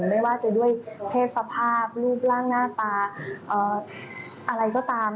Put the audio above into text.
ไม่ว่าจะด้วยเพศสภาพรูปร่างหน้าตาอะไรก็ตาม